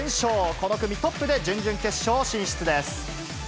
この組トップで準々決勝進出です。